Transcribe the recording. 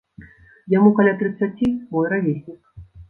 Яму каля трыццаці, мой равеснік.